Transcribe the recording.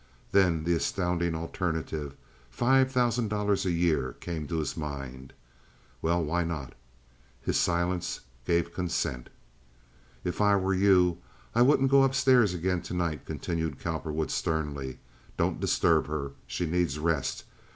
Then the astounding alternative—five thousand dollars a year—came to his mind. Well, why not? His silence gave consent. "If I were you I wouldn't go up stairs again to night," continued Cowperwood, sternly. "Don't disturb her. She needs rest.